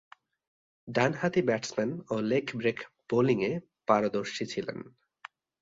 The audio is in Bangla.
ডানহাতি ব্যাটসম্যান ও লেগ ব্রেক বোলিংয়ে পারদর্শী ছিলেন।